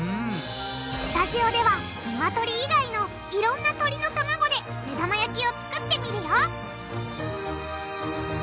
スタジオではニワトリ以外のいろんな鳥の卵で目玉焼きを作ってみるよ！